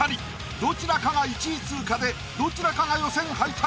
どちらかが１位通過でどちらかが予選敗退。